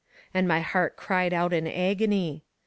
And my heart cried out in an agony.